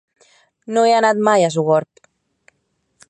No he anat mai a Sogorb.